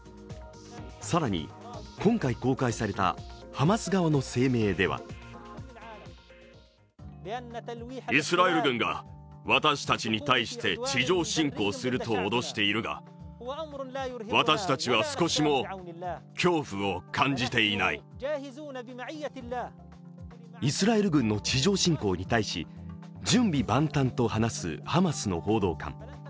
更に今回公開されたハマス側の声明ではイスラエル軍の地上侵攻に対し準備万端と話すハマスの報道官。